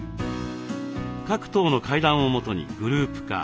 各棟の階段をもとにグループ化。